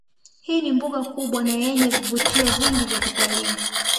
Hii ni mbuga ya kubwa nayenye vivutio vingi vya kitalii